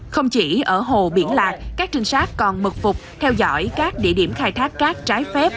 không chỉ ở hồ biển lạc các trinh sát còn mực phục theo dõi các địa điểm khai thác cát trái phép